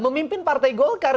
memimpin partai golkar